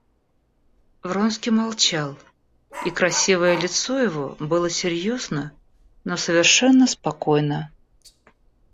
Вронский молчал, и красивое лицо его было серьезно, но совершенно спокойно.